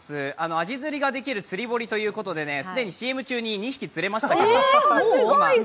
アジ釣りができる釣堀ということでですね、既にＣＭ中に２匹釣れました。